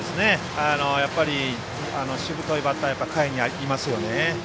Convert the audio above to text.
やはりしぶといバッターが下位にいますよね。